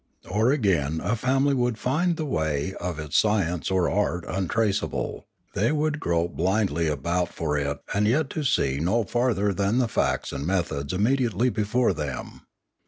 Or again a family would find the way of its science or art untraceable; they would grope blindly about for it and yet see no farther than the facts and methods immediately before them.